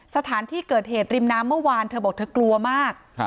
สถานที่เกิดเหตุริมน้ำเมื่อวานเธอบอกเธอกลัวมาก